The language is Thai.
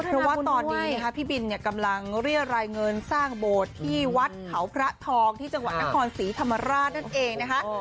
เพราะว่าตอนนี้นะคะพี่บินกำลังเรียรายเงินสร้างโบสถ์ที่วัดเขาพระทองที่จังหวัดนครศรีธรรมราชนั่นเองนะคะ